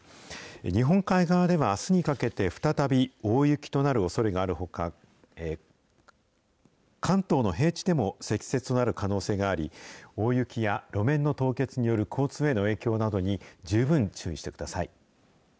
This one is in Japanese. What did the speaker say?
日本海側ではあすにかけて再び大雪となるおそれがあるほか、関東の平地でも積雪となる可能性があり、大雪や路面の凍結による交通への影響などに十分注意してください。